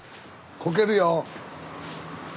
こけるよ！